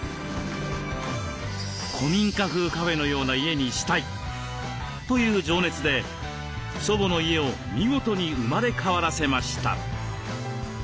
古民家風カフェのような家にしたいという情熱で祖母の家を見事に生まれ変わらせました。